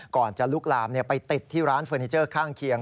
ก่อนจะลุกลามไปติดที่ร้านเฟอร์นิเจอร์ข้างเคียง